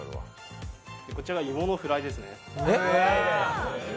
こちらが芋のフライですね。